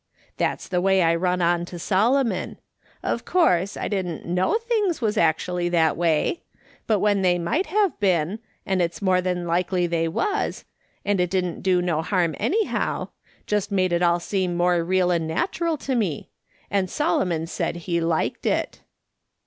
That's the way I run on to Solomon. Of course I didn't knoxo things was actually that way, but then they might have been, and it's more than likely they was ; and it didn't do no harm anyhow ; just made it all seem more real and natural to me, and Solomon said he liked it."